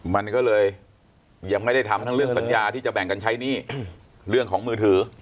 มันก็เลยยังไม่ได้ทำทั้งเรื่องสัญญาที่จะแบ่งกันใช้หนี้เรื่องของมือถือ